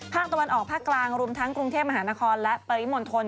ภาคตะวันออกภาคกลางรวมทั้งกรุงเทพมหานครและปริมณฑล